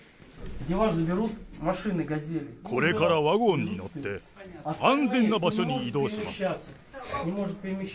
これからワゴンに乗って、安全な場所に移動します。